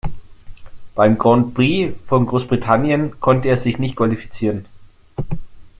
Beim Grand Prix von Großbritannien konnte er sich nicht qualifizieren.